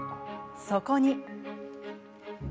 そこに。